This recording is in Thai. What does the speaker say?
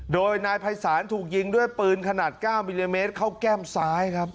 โดยนายภัยศาลถูกยิงด้วยปืนขนาด๙มิลลิเมตรเข้าแก้มซ้ายครับ